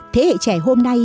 thế hệ trẻ hôm nay